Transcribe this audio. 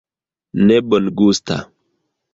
Ne bongusta...